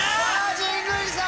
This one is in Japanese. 神宮寺さん